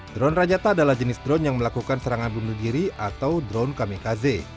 drone rajata adalah jenis drone yang melakukan serangan bunuh diri atau drone kamikaze